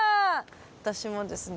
私もですね